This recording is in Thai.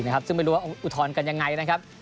น่าว่ามากซึ่งไม่รู้ว่าอุทธรณกันยังไงนะครับ